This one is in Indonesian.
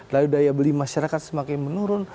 lalu daya beli masyarakat semakin menurun